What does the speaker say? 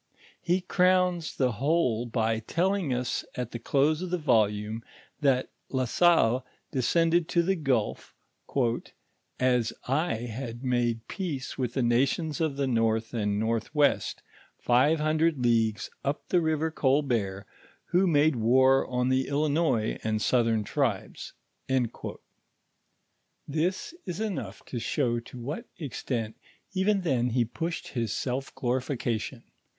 He crowns the whole by telling us at the close of the volume, that La Salle descended to the gul^ "aal had made peace wiih the nations of the north and northwest, five hundred leagues up the river Colbert, who made war on the Ilinois and southern tribes." ('* THE WORKS OF FATHER nEWNEPIN. loa This it enough to show to what extent even then he pushed his self glorifl oation.